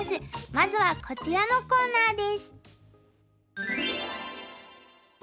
まずはこちらのコーナーです。